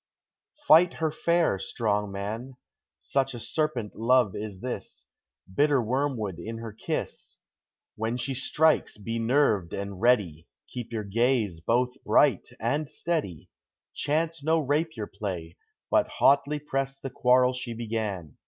Fight her fair, strong man! Such a serpent love is this, Bitter wormwood in her kiss! When she strikes, be nerved and ready; Keep your gaze both bright and steady, Chance no rapier play, but hotly press the quarrel she began!